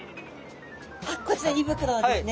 こちら胃袋ですね。